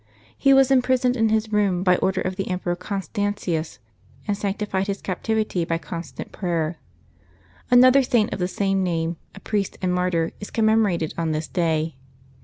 He was imprisoned in his room by order of the Emperor Constantius, and sanctified his captivity by constant prayer. Another Saint of the same name, a priest and martyr, is commemorated on this day.